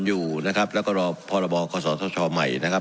อยู่นะครับแล้วก็รอพอระบองข้อสอดท่อช่อใหม่นะครับ